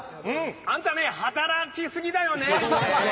あんた働きすぎだよね。